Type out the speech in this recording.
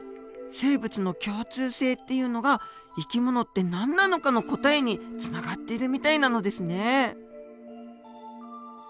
生物の共通性っていうのが「生き物って何なのか」の答えにつながっているみたいなのですね。